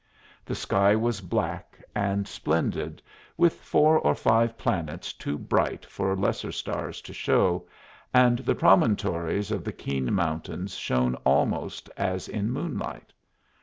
The sky was black and splendid, with four or five planets too bright for lesser stars to show, and the promontories of the keen mountains shone almost as in moonlight.